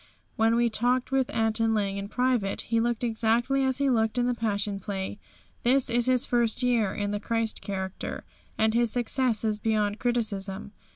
When we talked with Anton Lang in private he looked exactly as he looked in the Passion Play. This is his first year in the Christ character, and his success is beyond criticism.